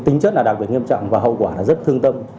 tính chất là đặc biệt nghiêm trọng và hậu quả là rất thương tâm